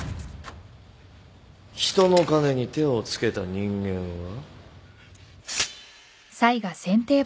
人の金に手をつけた人間は？